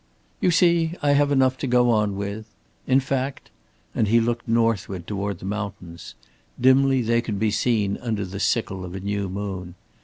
"You see, I have enough to go on with. In fact " and he looked northward toward the mountains. Dimly they could be seen under the sickle of a new moon.